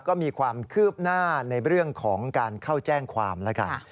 ก็มีความคืบหน้าในเรื่องของการเข้าแจ้งความแล้วกัน